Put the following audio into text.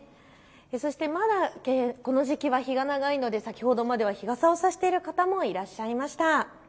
そしてまだこの時期は日が長いので先ほどまでは日傘を差している方もいらっしゃいました。